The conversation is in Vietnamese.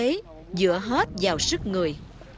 cây nghề đáy dựa hết vào sức người